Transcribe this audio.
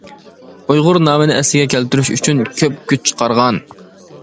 ئۇيغۇر نامىنى ئەسلى كەلتۈرۈش ئۈچۈن كۆپ كۈچ چىقارغان.